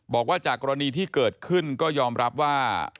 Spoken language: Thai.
บอกว่าจากกรณีที่เกิดขึ้นก็ยอมรับว่า